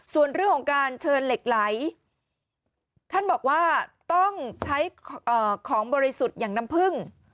ส่วนเรื่องของการเชิญเหล็กไหลท่านบอกว่าต้องใช้ของบริสุทธิ์อย่างน้ำผึ้ง